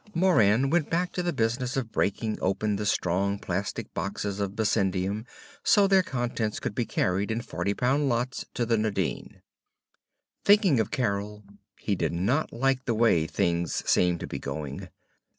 Moran went back to the business of breaking open the strong plastic boxes of bessendium so their contents could be carried in forty pound lots to the Nadine. Thinking of Carol, he did not like the way things seemed to be going.